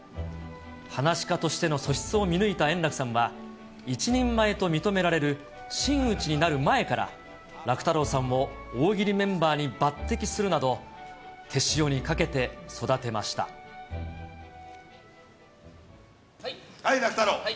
はなし家としての素質を見抜いた圓楽さんは、一人前と認められる真打ちになる前から、楽太郎さんを大喜利メンバーに抜てきするなど、手塩にかけて育てはい、楽太郎！